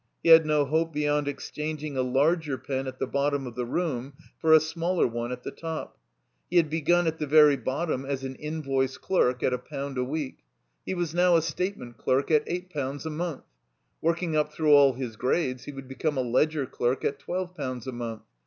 He had no hope beyond exchanging a larger pen at the bottom of the room for a smaller one at the top. He had begun at the very bottom as an invoice clerk at a pound a week. He was now a statement clerk at eight poimds a month. Working up through all his grades, he would become a ledger clerk at twelve pounds a month.